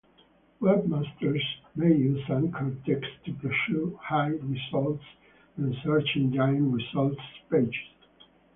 Webmasters may use anchor text to procure high results in search engine results pages.